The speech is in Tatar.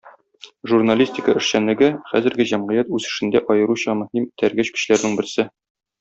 Журналистика эшчәнлеге - хәзерге җәмгыять үсешендә аеруча мөһим этәргеч көчләрнең берсе.